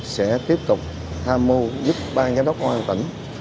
sẽ tiếp tục tham mưu giúp ban giám đốc công an thuận tỉnh